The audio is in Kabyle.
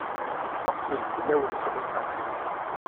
Ṭṭuqqtent fell-awen tlufa.